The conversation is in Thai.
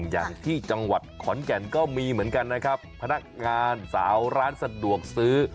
อย่างที่จังหวัดขอนแก่นก็มีเหมือนกันนะครับพนักงานสาวร้านสะดวกซื้อ